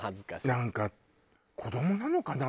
なんか子どもなのかな？